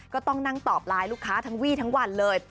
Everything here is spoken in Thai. ก็ต้องนั่งตอบไลน์ลูกค้าทั้งวี่ทั้งวันเลย